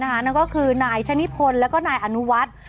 นั่นก็คือนายชะนิพลแล้วก็นายอนุวัฒน์